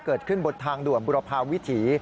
เกิดขึ้นบนทางด่วนบุรพาวิถี